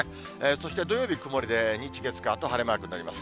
そして土曜日曇りで、日、月、火と晴れマークになります。